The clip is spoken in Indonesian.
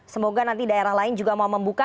semoga nanti daerah lain juga mau membuka